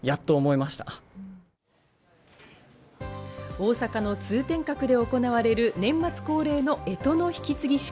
大阪の通天閣で行われる、年末恒例の干支の引き継ぎ式。